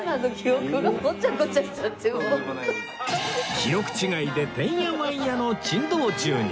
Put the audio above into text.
記憶違いでてんやわんやの珍道中に